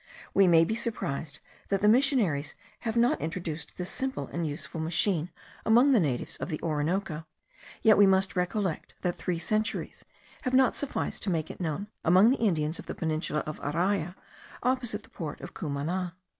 We may be surprised that the missionaries have not introduced this simple and useful machine among the natives of the Orinoco, yet we must recollect that three centuries have not sufficed to make it known among the Indians of the peninsula of Araya, opposite the port of Cumana.